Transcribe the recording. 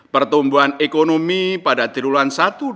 pertumbuhan ekonomi pada tirulan satu dua ribu dua puluh satu